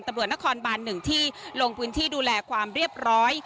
ตำรวจนครบาน๑ที่ลงพื้นที่ดูแลความเรียบร้อย